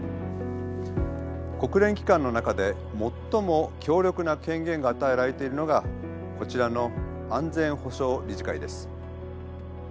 国連機関の中で最も強力な権限が与えられているのがこちらの安全保障理事会です。